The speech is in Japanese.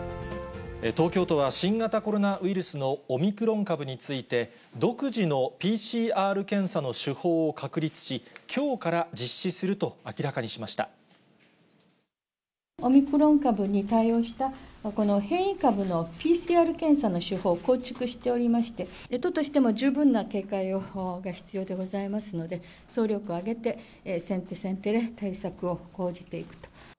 東京都は新型コロナウイルスのオミクロン株について、独自のＰＣＲ検査の手法を確立し、きょうから実施すると明らかにしオミクロン株に対応した、この変異株のＰＣＲ検査の手法、構築しておりまして、都としても、十分な警戒が必要でございますので、総力を挙げて先手先手で対策を講じていくと。